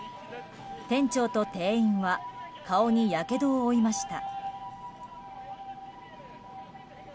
店長と店員は顔にやけどを負いました。